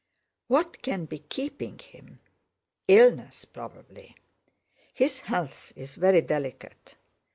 What can be keeping him? Illness, probably! His health is very delicate.